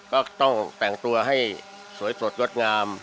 ก็ต้องแต่งตัวให้สวยสดงดงาม